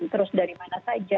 terus dari mana saja